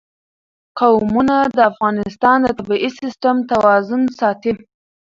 قومونه د افغانستان د طبعي سیسټم توازن ساتي.